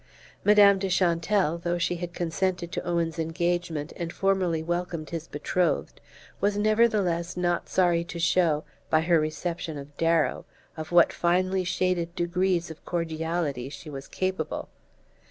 Madame de Chantelle, though she had consented to Owen's engagement and formally welcomed his betrothed, was nevertheless not sorry to show, by her reception of Darrow, of what finely shaded degrees of cordiality she was capable.